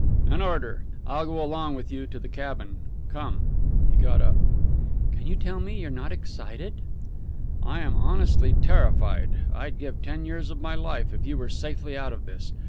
"An order. I'll go along with you to the cabin. Come!" He got up. "Can you tell me you're not excited?" "I am honestly terrified. I'd give ten years of my life if you were safely out of this.